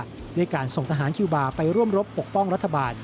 ด้วยการส่งทหารคิวบาร์ไปร่วมรบปกป้องรัฐบาล